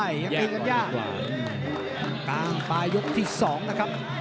ยังตีกันยากตามปลายก์ยกที่สองครับ